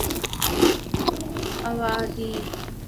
اوادھی